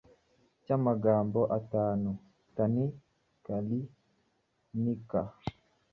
cy’amagambo atatu Tan-khani-ka.